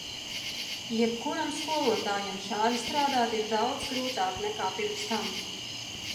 Jebkuram skolotājam šādi strādāt ir daudz grūtāk nekā pirms tam.